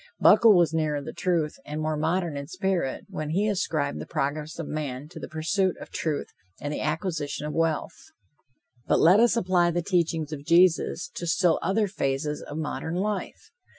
Buckle was nearer the truth, and more modern in spirit, when he ascribed the progress of man to the pursuit of truth and the acquisition of wealth. But let us apply the teachings of Jesus to still other phases of modern life.